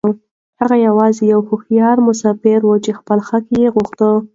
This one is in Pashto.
هغه يوازې يو هوښيار مسافر و چې خپل حق يې غوښت.